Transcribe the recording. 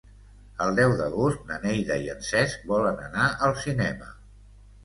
El deu d'agost na Neida i en Cesc volen anar al cinema.